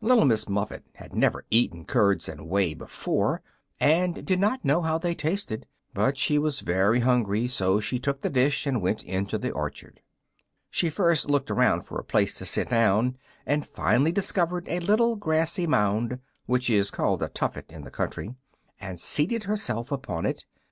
Little Miss Muffet had never eaten curds and whey before, and did not know how they tasted; but she was very hungry, so she took the dish and went into the orchard. She first looked around for a place to sit down, and finally discovered a little grassy mound, which is called a tuffet in the country, and seated herself upon it.